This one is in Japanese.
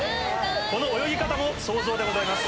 この泳ぎ方も想像でございます。